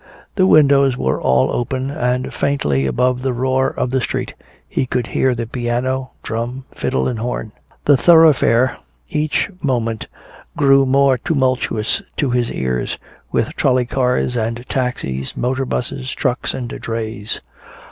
The windows were all open, and faintly above the roar of the street he could hear the piano, drum, fiddle and horn. The thoroughfare each moment grew more tumultuous to his ears, with trolley cars and taxis, motor busses, trucks and drays.